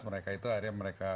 mereka itu akhirnya mereka